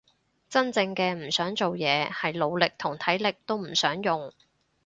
真正嘅唔想做嘢係腦力同體力都唔想用